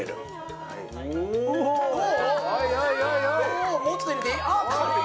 そしてもうちょっと入れていい？